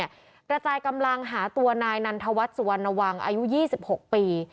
กระจายกำลังหาตัวนายนันทวัฒน์สุวรรณวังอายุ๒๖ปี